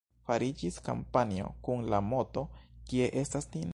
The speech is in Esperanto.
Fariĝis kampanjo kun la moto: «Kie estas Nin?».